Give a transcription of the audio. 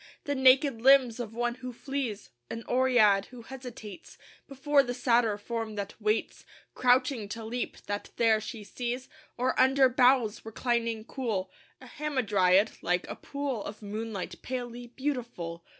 The naked limbs of one who flees? An Oread who hesitates Before the Satyr form that waits, Crouching to leap, that there she sees? Or under boughs, reclining cool, A Hamadryad, like a pool Of moonlight, palely beautiful?